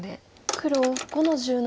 黒５の十七。